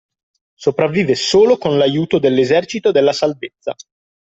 Sopravvive solo con l'aiuto dell'Esercito della Salvezza.